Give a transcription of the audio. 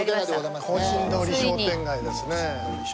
庚申通り商店街ですね。